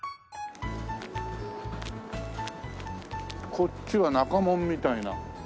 こっちは中門みたいな。